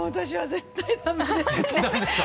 絶対ダメですか。